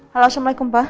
halo assalamualaikum pak